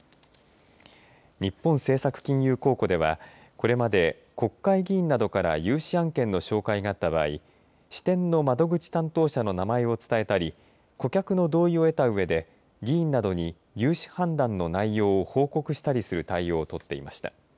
日本政策金融公庫ではこれまで国会議員などから融資案件の紹介があった場合支店の窓口担当者の名前を伝えたり顧客の同意を得たうえで議員などに融資判断の内容を報告したりする対応を取っていました。